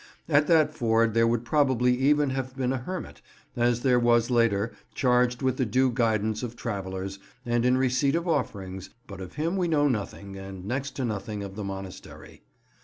At that ford there would probably even then have been a hermit, as there was later, charged with the due guidance of travellers, and in receipt of offerings, but of him we know nothing, and next to nothing of the monastery.